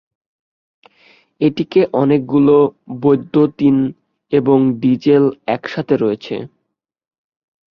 এটিতে অনেকগুলি বৈদ্যুতিন এবং ডিজেল একসাথে রয়েছে।